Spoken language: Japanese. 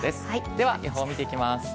では、予報見ていきます。